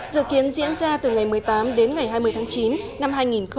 dự kiến diễn ra từ ngày một mươi tám đến ngày hai mươi tháng chín năm hai nghìn một mươi chín